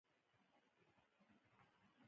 راډیو لا هم په کلیو کې ډېره کارېږي.